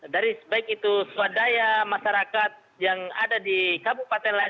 dari baik itu swadaya masyarakat yang ada di kabupaten lain